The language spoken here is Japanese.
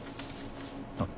あっ。